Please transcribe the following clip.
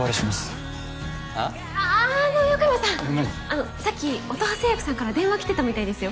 あのさっき乙葉製薬さんから電話来てたみたいですよ。